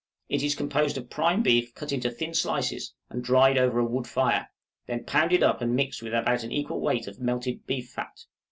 It is composed of prime beef cut into thin slices and dried over a wood fire; then pounded up and mixed with about an equal weight of melted beef fat.